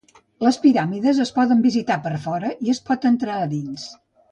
Les piràmides es poden visitar per fora i es pot entrar a dins.